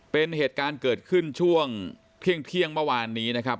เป็นเหตุการณ์เกิดขึ้นช่วงเที่ยงเมื่อวานนี้นะครับ